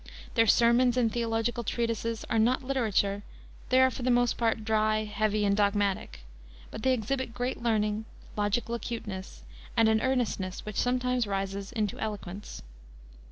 Their sermons and theological treatises are not literature, they are for the most part dry, heavy, and dogmatic, but they exhibit great learning, logical acuteness, and an earnestness which sometimes rises into eloquence.